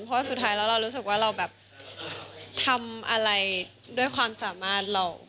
เพราะสุดท้ายแล้วเรารู้สึกว่าเราแบบทำอะไรด้วยความสามารถเรา